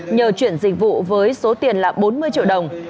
nhờ chuyển dịch vụ với số tiền là bốn mươi triệu đồng